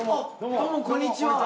どうもこんにちは。